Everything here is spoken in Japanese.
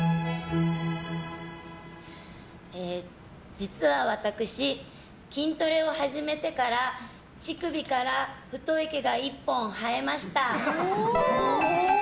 実は私、筋トレを始めてから乳首から太い毛が１本生えました。